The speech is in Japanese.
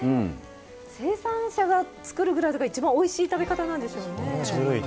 生産者が作るぐらいですから一番おいしい食べ方なんでしょうね。